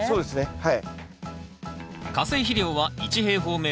はい。